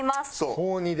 高２で。